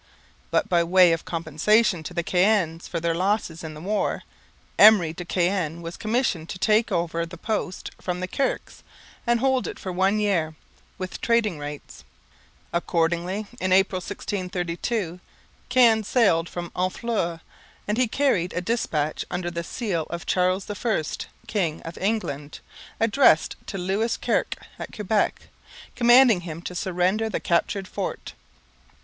But, by way of compensation to the Caens for their losses in the war, Emery de Caen was commissioned to take over the post from the Kirkes and hold it for one year, with trading rights. Accordingly, in April 1632, Caen sailed from Honfleur; and he carried a dispatch under the seal of Charles I, king of England, addressed to Lewis Kirke at Quebec, commanding him to surrender the captured fort.